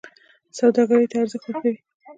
سوداګرۍ ته ارزښت ورکوي.